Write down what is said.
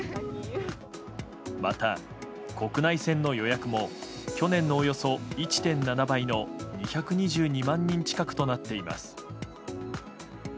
また、国内線の予約も去年のおよそ１．７倍の２２２万人近くとなっています。